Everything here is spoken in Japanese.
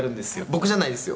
僕じゃないですよ」